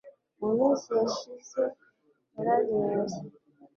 Mu minsi yashize yararembye